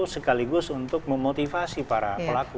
sekaligus untuk memotivasi para pelaku